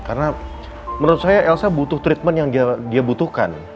karena menurut saya elsa butuh treatment yang dia butuhkan